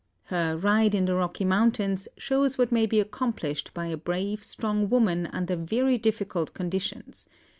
Her "Ride in the Rocky Mountains" shows what may be accomplished by a brave, strong woman under very difficult conditions.